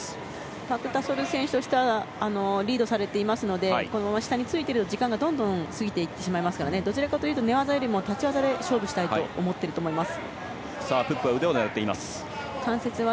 パク・タソル選手としてはリードされていますので下についている時間がどんどん過ぎていってしまうのでどちらかというと、寝技よりも立ち技で勝負したいと思っていると思います。